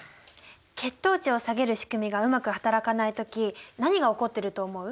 血糖値を下げる仕組みがうまく働かない時何が起こってると思う？